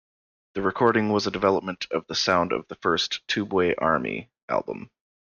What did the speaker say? The recording was a development of the sound of the first "Tubeway Army" album.